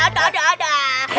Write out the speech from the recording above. aduh aduh aduh